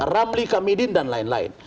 rabli kamidin dan lain lain